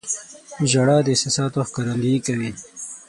• ژړا د احساساتو ښکارندویي کوي.